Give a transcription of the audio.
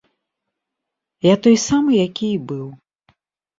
Я той самы, які і быў.